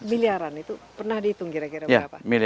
miliaran itu pernah dihitung kira kira berapa